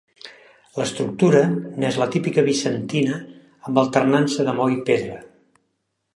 L'estructura n'és la típica bizantina, amb alternança de maó i pedra.